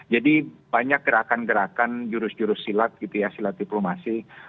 jadi banyak gerakan gerakan jurus jurus silat gitu ya silat diplomasi